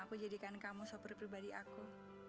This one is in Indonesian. aku jadikan kamu sopir pribadi aku